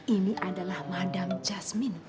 ini adalah madam jasmine